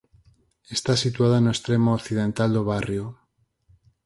Está situada no extremo occidental do barrio.